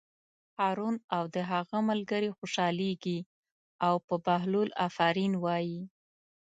هارون او د هغه ملګري خوشحالېږي او په بهلول آفرین وایي.